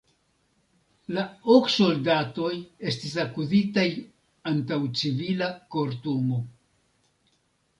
La ok soldatoj estis akuzitaj antaŭ civila kortumo.